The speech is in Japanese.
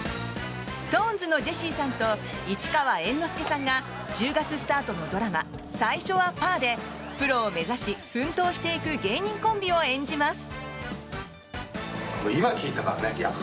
ＳｉｘＴＯＮＥＳのジェシーさんと市川猿之助さんが１０月スタートのドラマ「最初はパー」でプロを目指し、奮闘していく芸人コンビを演じます。